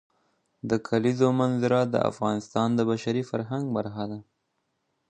د کلیزو منظره د افغانستان د بشري فرهنګ برخه ده.